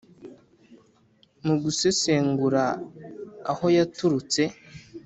Mu gusesengura aho yaturutse